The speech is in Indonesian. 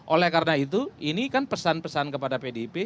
oleh karena itu ini kan pesan pesan kepada pdip